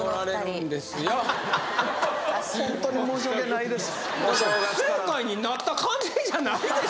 本当に申し訳ないです